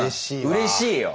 うれしいわ。